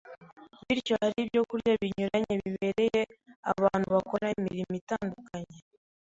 Bityo hariho ibyokurya binyuranye bibereye abantu bakora imirimo itandukanye.